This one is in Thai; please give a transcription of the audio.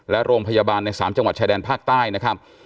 และโรงพยาบาลใน๓จังหวัดชายแดนภาคใต้นะครับ